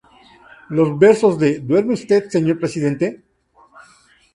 Los versos de "¿Duerme usted, señor Presidente?